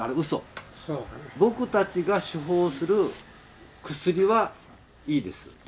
僕たちが処方する薬はいいです。